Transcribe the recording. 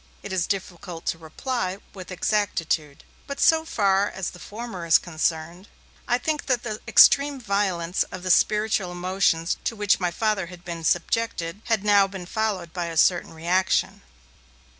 It is difficult to reply with exactitude. But so far as the former is concerned, I thinly that the extreme violence of the spiritual emotions to which my Father had been subjected, had now been followed by a certain reaction.